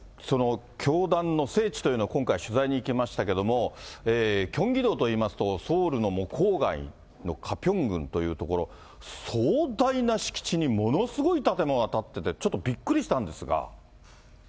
教団の聖地というのを、今回取材に行きましたけれども、キョンギ道といいますと、ソウルの郊外のカピョン郡という所、壮大な敷地にものすごい建物が建っててちょっとびっくりしたんですが。